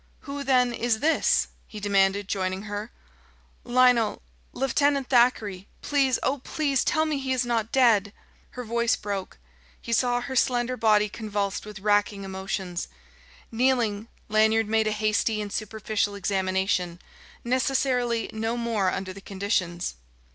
"Who, then, is this?" he demanded, joining her. "Lionel Lieutenant Thackeray. Please O please! tell me he is not dead." Her voice broke; he saw her slender body convulsed with racking emotions. Kneeling, Lanyard made a hasty and superficial examination, necessarily no more under the conditions.